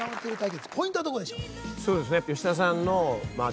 これそうですね